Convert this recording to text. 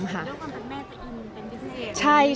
เพราะว่าความแทนแม่ตีอินเป็นพิเศษ